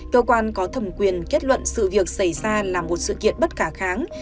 cơ quan có thẩm quyền kết luận sự việc xảy ra là một sự kiện bất khả kháng